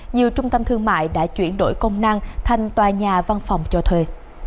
nhiều trung tâm thương mại đã chuyển đổi công năng thành tòa nhà văn phòng cho thuê